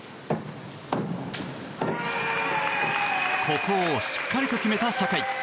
ここをしっかりと決めた坂井。